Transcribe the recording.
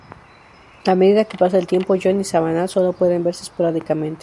A medida que pasa el tiempo, John y Savannah solo pueden verse esporádicamente.